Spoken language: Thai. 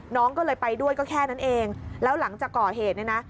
น้องก็เลยไปด้วยก็แค่นั้นเองแล้วหลังจากก่อเหตุเนี่ยนะ